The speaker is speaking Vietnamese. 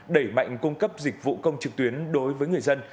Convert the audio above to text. đẩy mạnh cung cấp dịch vụ công trực tuyến đối với người dân